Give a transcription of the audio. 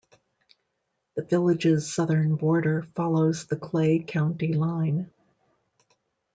The village's southern border follows the Clay County line.